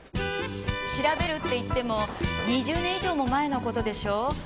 調べるって言っても２０年以上も前の事でしょう？